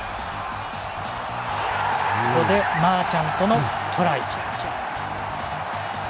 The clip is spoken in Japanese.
ここで、マーチャントのトライ。